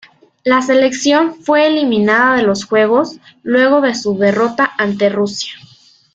La selección fue eliminada de los Juegos luego de su derrota ante Rusia.